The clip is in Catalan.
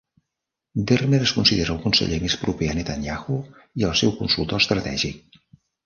Dermer es considera el conseller més proper a Netanyahu, i el seu consultor estratègic.